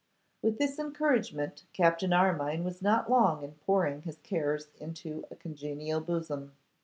With this encouragement, Captain Armine was not long in pouring his cares into a congenial bosom.